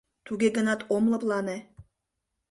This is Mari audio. Туге гынат ом лыплане.